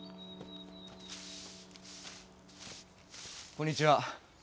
こんにちは。